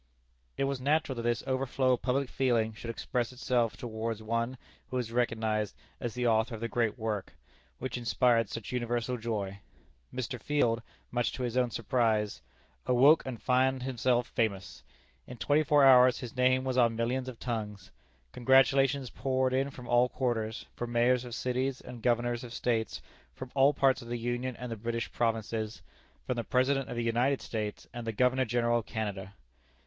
It was natural that this overflow of public feeling should express itself towards one who was recognized as the author of the great work, which inspired such universal joy. Mr. Field, much to his own surprise, "awoke and found himself famous." In twenty four hours his name was on millions of tongues. Congratulations poured in from all quarters, from mayors of cities and governors of States; from all parts of the Union and the British Provinces; from the President of the United States and the Governor General of Canada.